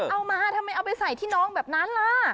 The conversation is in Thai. เอามาทำไมเอาไปใส่ที่น้องแบบนั้นล่ะ